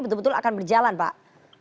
betul betul akan berjalan pak